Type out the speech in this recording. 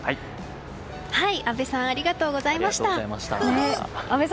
阿部さんありがとうございました。